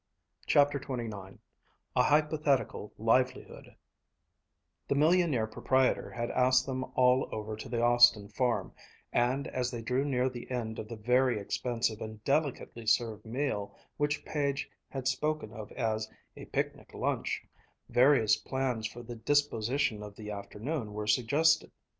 CHAPTER XXIX A HYPOTHETICAL LIVELIHOOD The millionaire proprietor had asked them all over to the Austin Farm, and as they drew near the end of the very expensive and delicately served meal which Page had spoken of as a "picnic lunch," various plans for the disposition of the afternoon were suggested.